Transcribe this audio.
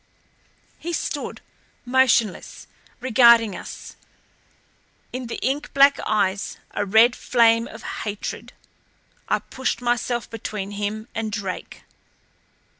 He stood motionless, regarding us; in the ink black eyes a red flame of hatred. I pushed myself between him and Drake.